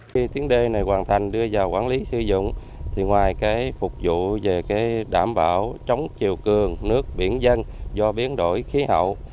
khi tuyến đê này hoàn thành đưa vào quản lý sử dụng thì ngoài phục vụ về đảm bảo chống triều cường nước biển dân do biến đổi khí hậu